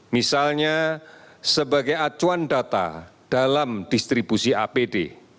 misalnya sebagai acuan data dalam distribusi apd